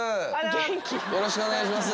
よろしくお願いします。